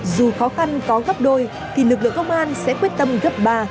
dù khó khăn có gấp đôi thì lực lượng công an sẽ quyết tâm gấp ba